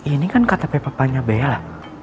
ini kan ktp papanya bella